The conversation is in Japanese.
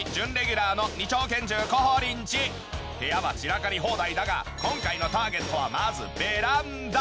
部屋は散らかり放題だが今回のターゲットはまずベランダ。